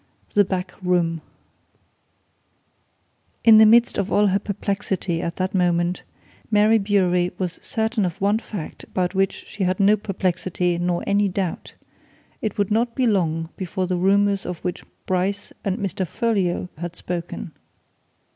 THE BACK ROOM In the midst of all her perplexity at that moment, Mary Bewery was certain of one fact about which she had no perplexity nor any doubt it would not be long before the rumours of which Bryce and Mr. Folliot had spoken.